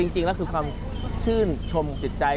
จริงแล้วคือความชื่นชมจิตใจ